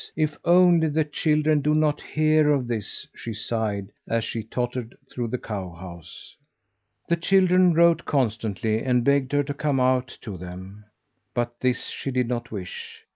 If only the children do not hear of this!" she sighed as she tottered through the cowhouse. The children wrote constantly, and begged her to come out to them; but this she did not wish.